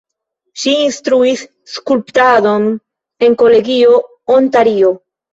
Ŝi instruis skulptadon en kolegio Ontario.